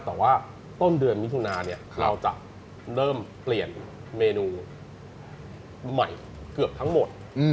แต่ว่าต้นเดือนมิถุนาเนี่ยเราจะเริ่มเปลี่ยนเมนูใหม่เกือบทั้งหมด